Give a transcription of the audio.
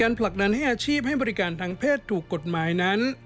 ผลักดันให้อาชีพให้บริการทางเพศถูกกฎหมายนั้น